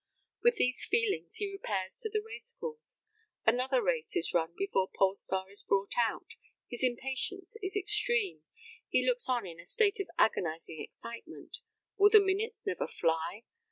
With these feelings he repairs to the race course. Another race is run before Polestar is brought out. His impatience is extreme. He looks on in a state of agonising excitement. Will the minutes never fly?